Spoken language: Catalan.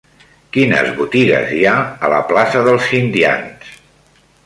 Quines botigues hi ha a la plaça dels Indians?